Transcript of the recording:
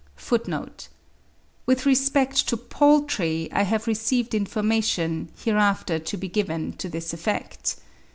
(9. With respect to poultry, I have received information, hereafter to be given, to this effect.